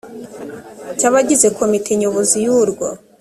cy’abagize komite nyobozi y’urwo